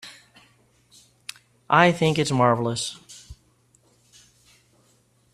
I think it's marvelous.